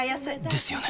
ですよね